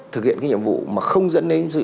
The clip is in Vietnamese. thực hiện cái nhiệm vụ mà không dẫn đến